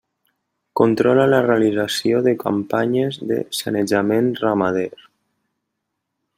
Controla la realització de campanyes de sanejament ramader.